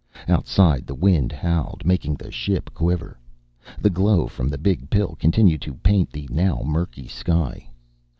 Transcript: Outside, the wind howled, making the ship quiver. The glow from the Big Pill continued to paint the now murky sky.